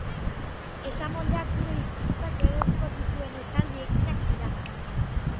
Esamoldeak gure hizkuntzak berezko dituen esaldi eginak dira.